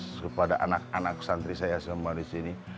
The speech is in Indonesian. kepada anak anak santri saya selama hari ini